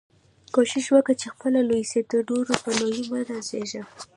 کوښښ وکه، چي خپله لوى سې، د نورو په لويي مه نازېږه!